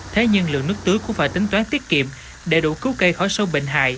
thế nhưng lượng nước tưới cũng phải tính toán tiết kiệm để đủ cứu cây khỏi sâu bệnh hại